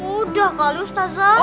udah kali ustazah